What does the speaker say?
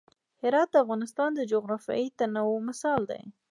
هرات د افغانستان د جغرافیوي تنوع مثال دی.